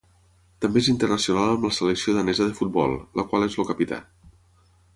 També és internacional amb la selecció danesa de futbol, la qual és el capità.